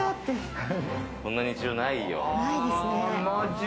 こんな日常ないよ。